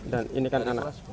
dan ini kan anak